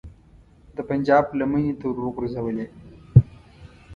د پنجاب لمنې ته وروغورځولې.